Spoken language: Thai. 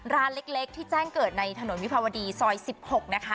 ร้านเล็กที่แจ้งเกิดในถนนวิภาวดีซอย๑๖นะคะ